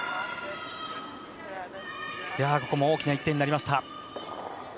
ここも大きな１点になりました。